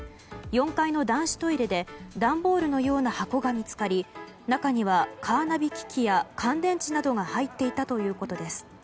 ４階の男子トイレで段ボールのような箱が見つかり中にはカーナビ機器や乾電池などが入っていたということです。